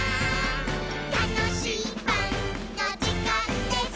「たのしいパンのじかんです！」